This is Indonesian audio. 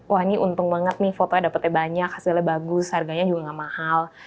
wah ini untung banget nih fotonya dapatnya banyak hasilnya bagus harganya juga gak mahal